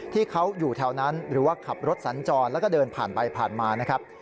ที่เขาอยู่แถวนั้นหรือว่าขับรถสัญจรแล้วก็เดินผ่านไปผ่านมานะครับ